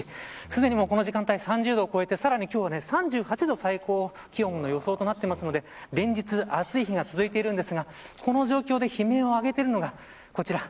すでに、この時間３０度を超えてさらに今日は３８度の最高気温の予想となっているので連日、暑い日が続いているんですがこの状況で悲鳴を上げているのが、こちら。